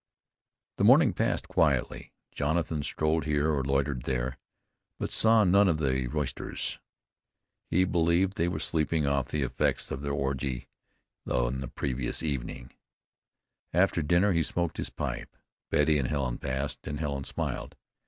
The morning passed quietly. Jonathan strolled here or loitered there; but saw none of the roisterers. He believed they were sleeping off the effects of their orgy on the previous evening. After dinner he smoked his pipe. Betty and Helen passed, and Helen smiled.